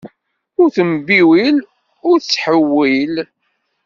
Ur ttembiwil, ur ttḥewwil!